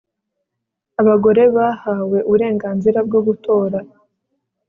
Abagore bahawe uburenganzira bwo gutora